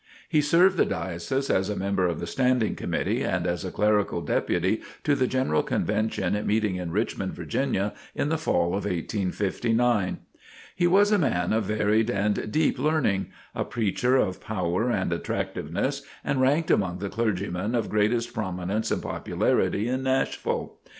He served the Diocese as a member of the Standing Committee, and as a clerical deputy to the General Convention meeting in Richmond, Virginia, in the Fall of 1859. He was a man of varied and deep learning a preacher of power and attractiveness, and ranked among the clergymen of greatest prominence and popularity in Nashville.